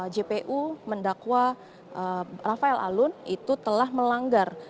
jpu mendakwa rafael alun itu telah melanggar